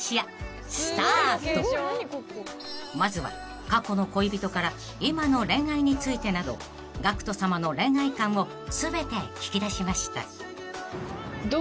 ［まずは過去の恋人から今の恋愛についてなどＧＡＣＫＴさまの恋愛観を全て聞き出しました］